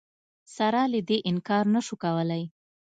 سره له دې انکار نه شو کولای